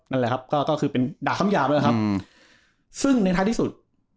นั่นแหละครับก็คือเป็นด่าคำหยาบด้วยครับซึ่งในท้ายที่สุด